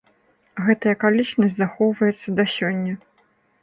Гэтая акалічнасць захоўваецца да сёння.